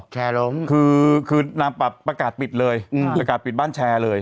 แชร์ล้มคือคือนางปรับประกาศปิดเลยประกาศปิดบ้านแชร์เลย